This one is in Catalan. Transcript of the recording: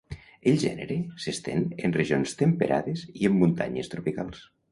El gènere s'estén en regions temperades i en muntanyes tropicals.